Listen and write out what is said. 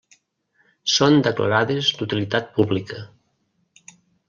Són declarades d'utilitat pública.